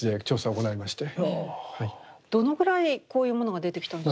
どのぐらいこういうものが出てきたんですか？